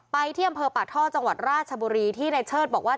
ที่อำเภอปากท่อจังหวัดราชบุรีที่ในเชิดบอกว่า